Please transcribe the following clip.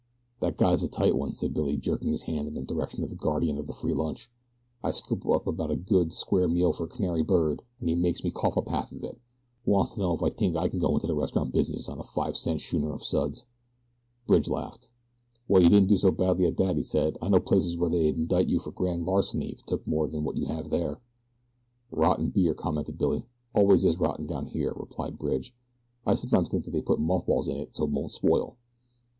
"That guy's a tight one," said Billy, jerking his hand in the direction of the guardian of the free lunch. "I scoops up about a good, square meal for a canary bird, an' he makes me cough up half of it. Wants to know if I t'ink I can go into the restaurant business on a fi' cent schooner of suds." Bridge laughed. "Well, you didn't do so badly at that," he said. "I know places where they'd indict you for grand larceny if you took much more than you have here." "Rotten beer," commented Billy. "Always is rotten down here," replied Bridge. "I sometimes think they put moth balls in it so it won't spoil."